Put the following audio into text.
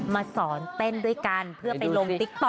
มาสอนเต้นด้วยกันเพื่อไปลงติ๊กต๊